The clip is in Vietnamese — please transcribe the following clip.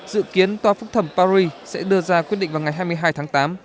dự kiến tòa phúc thẩm paris sẽ đưa ra quyết định vào ngày hai mươi hai tháng tám